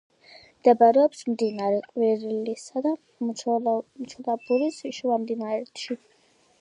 მდებარეობს მდინარე ყვირილისა და ჩოლაბურის შუამდინარეთში.